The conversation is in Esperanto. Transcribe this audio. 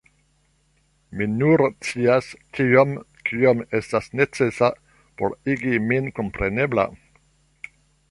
Mi nur scias tiom, kiom estas necesa por igi min komprenebla.